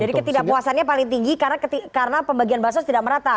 jadi ketidakpuasannya paling tinggi karena pembagian bansos tidak merata